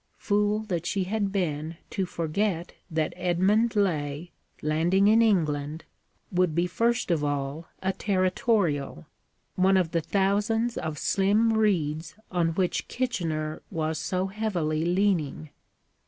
Fool that she had been to forget that Edmund Laye, landing in England, would be first of all a Territorial one of the thousands of slim reeds on which Kitchener was so heavily leaning.